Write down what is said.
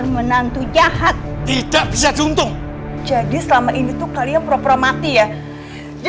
menantu jahat tidak bisa tuntung jadi selama ini tuh kalian proper mati ya